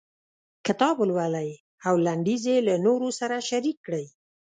کتاب ولولئ او لنډيز یې له نورو سره شريک کړئ.